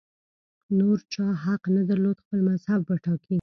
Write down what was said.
نور چا حق نه درلود خپل مذهب وټاکي